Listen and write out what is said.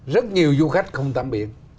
rất nhiều du khách không tắm biển